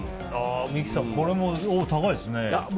三木さん、これも高いですね。